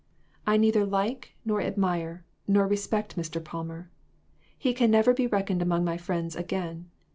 I neither like, nor admire, nor respect Mr. Palmer. He can never be reck oned among my friends again.